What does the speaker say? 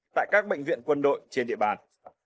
tại các bệnh viện quân đội trên địa bàn